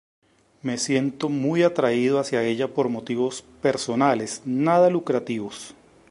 Me siento muy atraído hacia ella por motivos personales nada lucrativos...